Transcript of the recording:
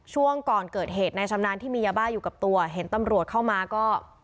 ช่วงก่อนเกิดเหตุในชำนาญที่มียาบ้าอยู่กับตัวเห็นตำรวจเข้ามาก็